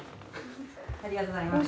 ありがとうございます。